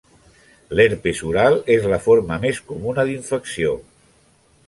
L'herpes oral és la forma més comuna d'infecció.